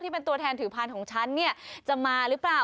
เป็นตัวแทนถือพานของฉันเนี่ยจะมาหรือเปล่า